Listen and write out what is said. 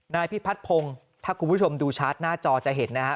นายพิพัดพงฯถ้าคุณผู้ชมดูชัดหน้าจอจะเห็นนะฮะ